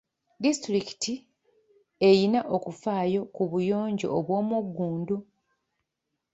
Disitulikiti eyina okufaayo ku buyonjo obw'omugundu.